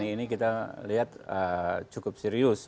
ini kita lihat cukup serius